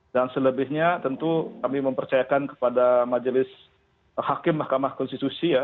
dan selebihnya tentu kami mempercayakan kepada majelis hakim mahkamah konstitusi ya